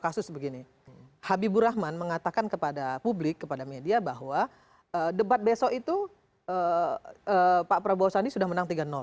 kasus begini habibur rahman mengatakan kepada publik kepada media bahwa debat besok itu pak prabowo sandi sudah menang tiga